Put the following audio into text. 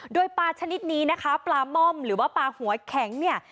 โดยปลาชนิดนี้นะคะปลาม่อมหรือว่าปลาหัวแข็งเนี่ย